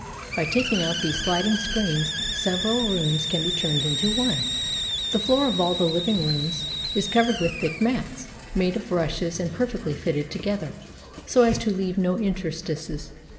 By taking out these sHding screens several rooms can be turned into one. The floor of all the living rooms is covered with thick mats, made of rushes and per fectly fitted together, so as to leave no interstices.